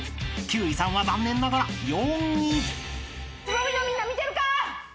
［休井さんは残念ながら４位］つぼみのみんな見てるか？